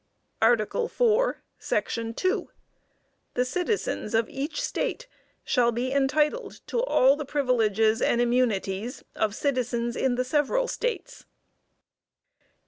ARTICLE IV, Section 2. "The citizens of each State shall be entitled to all the privileges and immunities of citizens in the several States."